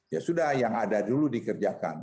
ya sudah yang ada dulu dikerjakan